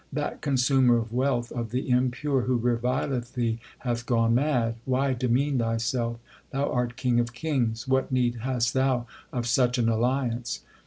That consumer of wealth of the impure who revileth thee hath gone mad. Why demean thyself ? Thou art king of kings. What need hast thou of such an alliance